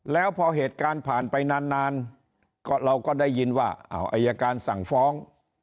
แล้วพอเหตุการณ์ผ่านไปนานเราก็ได้ยินว่าอายการสั่งฟ้อง